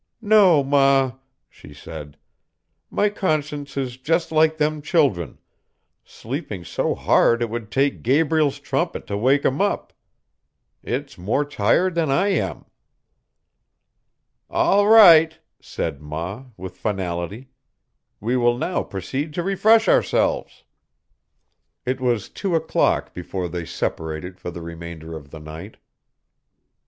"No, ma," she said; "my conscience is just like them children sleeping so hard it would take Gabriel's trumpet to wake 'em up. It's more tired than I am." "All right," said ma, with finality; "we will now proceed to refresh ourselves." It was two o'clock before they separated for the remainder of the night.